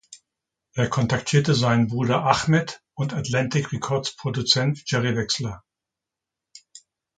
Er kontaktierte seinen Bruder Ahmet und Atlantic Records-Produzent Jerry Wexler.